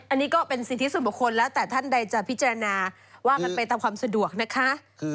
อันนี้ก็เป็นสิทธิส่วนบุคคลแล้วแต่ท่านใดจะพิจารณาว่ากันไปตามความสะดวกนะคะ